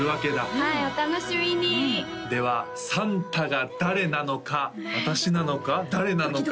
はいお楽しみにではサンタが誰なのか私なのか誰なのか